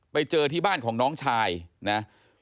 ไปเจอที่บ้านของน้องชายนะ